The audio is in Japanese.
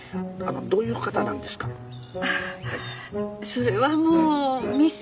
それはもうミス